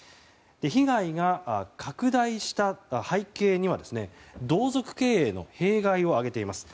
被害が拡大した背景には同族経営の弊害を挙げています。